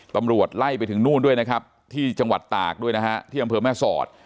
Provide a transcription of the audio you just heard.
ตำรวจไล่ไปถึงนู่นด้วยนะครับที่จังหวัดตากด้วยนะฮะที่อำเภอแม่สอด